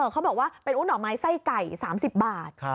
เขาบอกว่าเป็นห่อไม้ไส้ไก่๓๐บาท